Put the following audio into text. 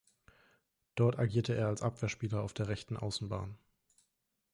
Dort agierte er als Abwehrspieler auf der rechten Außenbahn.